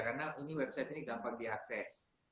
karena website ini gampang diakses